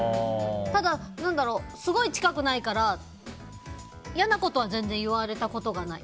ただ、すごい近くないから嫌なことは言われたことがない。